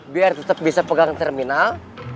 biar tetap bisa pegang terminal